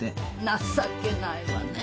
情けないわね